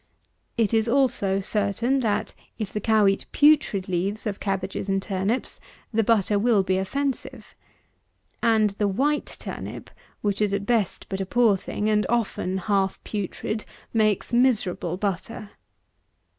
It is also certain, that, if the cow eat putrid leaves of cabbages and turnips, the butter will be offensive. And the white turnip, which is at best but a poor thing, and often half putrid, makes miserable butter.